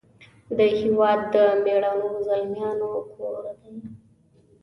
د هیواد د میړنو زلمیانو کور دی .